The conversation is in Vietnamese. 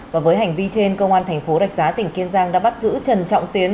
và với hành vi trên công an tp đạch giá tỉnh kiên giang đã bắt giữ trần trọng tiến